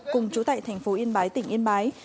cùng chú tại thành phố yên bái tỉnh yên bái